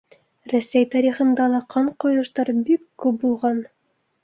Рәсәй тарихында ла ҡан ҡойоштар бик күп булған.